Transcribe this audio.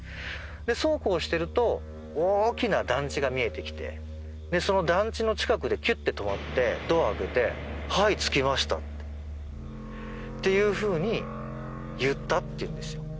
そうこうしてると大きな団地が見えてきてその団地の近くでキュッて止まってドア開けてはい着きましたっていうふうに言ったっていうんですよ。